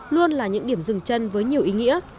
luôn là những điểm dừng chân với nhiều ý nghĩa